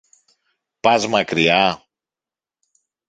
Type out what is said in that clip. Πας μακριά;